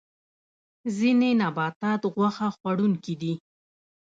ځینې نباتات غوښه خوړونکي دي